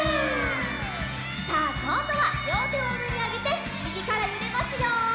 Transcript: さあこんどはりょうてをうえにあげてみぎからゆれますよ！